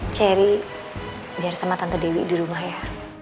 cherry biar sama tante dewi di rumah ya